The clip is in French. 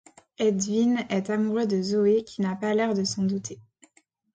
Edwin est amoureux de Zoé qui n'a pas l'air de s'en douter.